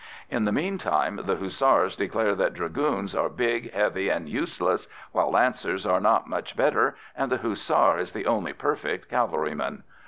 In the meantime the Hussars declare that Dragoons are big, heavy, and useless, while Lancers are not much better, and the Hussar is the only perfect cavalryman.